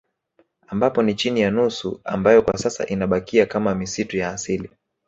Ambapo ni chini ya nusu ambayo kwa sasa inabakia kama misitu ya asili